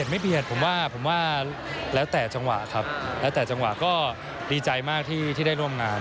ไม่เบียดผมว่าผมว่าแล้วแต่จังหวะครับแล้วแต่จังหวะก็ดีใจมากที่ได้ร่วมงาน